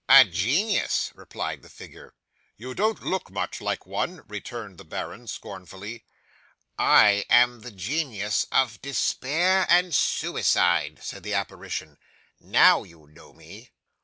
'"A genius," replied the figure. '"You don't look much like one," returned the baron scornfully. '"I am the Genius of Despair and Suicide," said the apparition. "Now you know me."